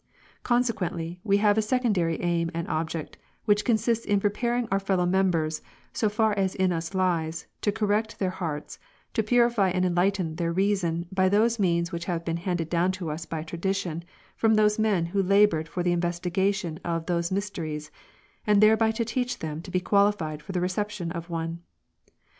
Consequently, we have a secondary aim and object, which consists in preparing our fellow members, so far as in us lies, to correct their hearts, to purify and enlighten their reason by those means which have been handed down to us by tradition from those men who labored for the investigation of those mysteries, and thereby to teach them to be qualified for the reception of one.